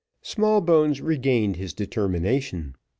Smallbones regained his determination.